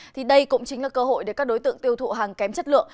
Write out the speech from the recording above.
thì đây cũng chính là cơ hội để các đối tượng tiêu thụ hàng kém chất lượng